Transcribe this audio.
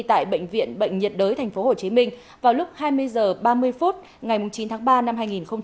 tại bệnh viện bệnh nhiệt đới tp hcm vào lúc hai mươi h ba mươi phút ngày chín tháng ba năm hai nghìn hai mươi